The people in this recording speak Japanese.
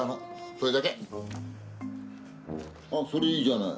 あっそれいいじゃない。